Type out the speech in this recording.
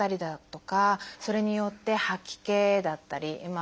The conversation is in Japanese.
それによって吐き気だったり。